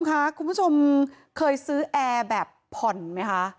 คุณผู้ชมค่ะคุณผู้ชมเคยซื้อแอร์แบบผ่อนไหมคะ